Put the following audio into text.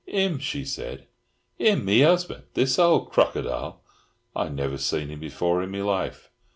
"Him!" she said. "Him me husban'! This old crockerdile? I never seen him before in me life."